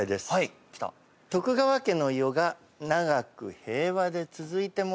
徳川家の世が長く平和で続いてもらいたい。